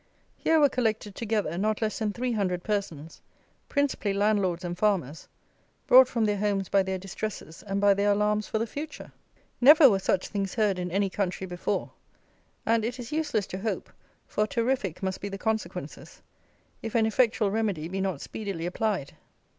Here were collected together not less than 300 persons, principally landlords and farmers, brought from their homes by their distresses and by their alarms for the future! Never were such things heard in any country before; and, it is useless to hope, for terrific must be the consequences, if an effectual remedy be not speedily applied.